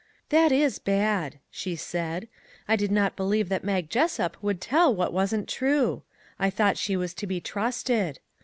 " That is bad," she said. " I did not believe that Mag Jessup would tell what wasn't true. I thought she was to be trusted.